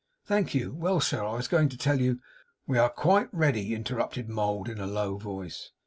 Thank you. Well, sir, I was going to tell you ' 'We are quite ready,' interrupted Mould in a low voice.